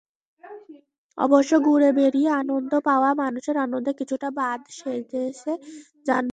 অবশ্য ঘুরে বেড়িয়ে আনন্দ পাওয়া মানুষের আনন্দে কিছুটা বাদ সেধেছে যানবাহনের ভাড়া।